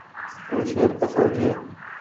او شهر ڪسو ڇي۔